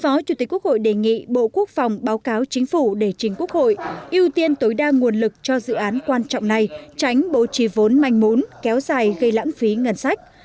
phó chủ tịch quốc hội đề nghị bộ quốc phòng báo cáo chính phủ để chính quốc hội ưu tiên tối đa nguồn lực cho dự án quan trọng này tránh bổ trì vốn manh mún kéo dài gây lãng phí ngân sách